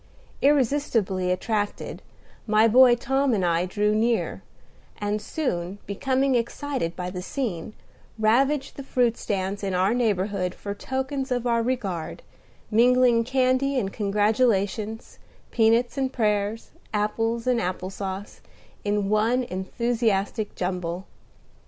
Irresistibly attracted, my boy Tom and I drew near, and soon, becoming excited by the scene, ravaged the fruit stands in our neighborhood for tokens of our regard, mingling candy and congratulations, peanuts and prayers, apples and applause, in one enthusiastic jumble.